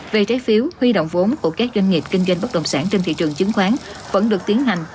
về trái phiếu huy động vốn của các doanh nghiệp kinh doanh bất động sản trên thị trường chứng khoán vẫn được tiến hành